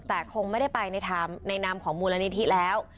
แต่คงไม่ได้ไปในนามของมูลนิธิแล้ว